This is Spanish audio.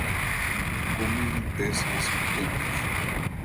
Come peces pequeños.